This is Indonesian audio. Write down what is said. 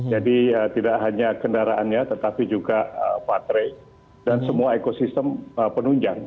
jadi tidak hanya kendaraannya tetapi juga baterai dan semua ekosistem penunjang